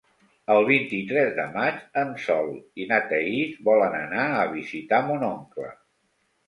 El vint-i-tres de maig en Sol i na Thaís volen anar a visitar mon oncle.